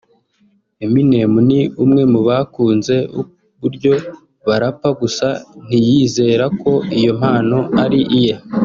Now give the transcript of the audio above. Eminem ni umwe mu bakunze uburyo arapa gusa ntiyizera ko iyo mpano ari iye